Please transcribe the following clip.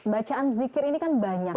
bacaan zikir ini kan banyak